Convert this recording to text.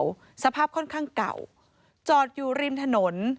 แล้วพี่ก็เอาสร้อยมาด้วย